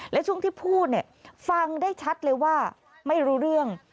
และช่วงที่พูดเนี่ยฟังได้ชัดเลยว่าไม่รู้เรื่อง